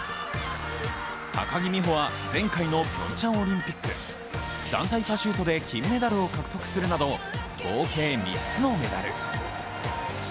高木美帆は前回のピョンチャンオリンピック団体パシュートで金メダルを獲得するなど、合計３つのメダル。